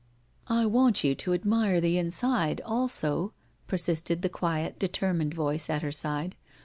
" I want you to admire the inside also," persisted the quiet, determined voice at her side.